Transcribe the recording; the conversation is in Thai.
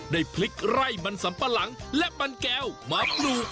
ได้พลิกไร่มันสัมปะหลังและมันแก้วมาปลูก